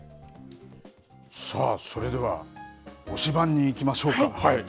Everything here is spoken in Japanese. さあ、それでは、推しバン！にいきましょうか。